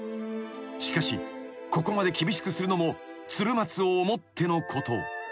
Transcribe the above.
［しかしここまで厳しくするのも鶴松を思ってのこと］